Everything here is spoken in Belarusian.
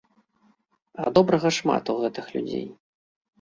А добрага шмат у гэтых людзей.